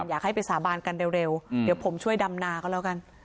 อยากให้ไปสาบานกันเร็วเดี๋ยวผมช่วยดำนาก็แล้วกัน